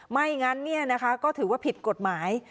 ไม่งั้นก็ถือว่าผิดกฎหมาย